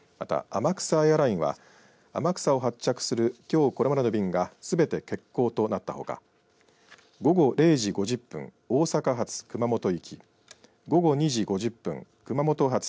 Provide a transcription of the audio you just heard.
天草エアラインは天草を発着するきょうこれまでの便がすべて欠航となったほか午後０時５０分、大阪発熊本行き午後２時５０分熊本発